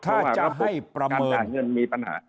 ขายเงินมีปัญหา